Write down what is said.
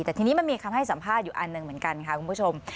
แต่ทีนี้มันมีคำให้สัมภาษณ์อยู่อันหนึ่งเหมือนกันค่ะคุณผู้ชม